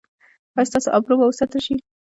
ایا ستاسو ابرو به وساتل شي؟